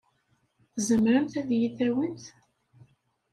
Tzemremt ad iyi-tawimt?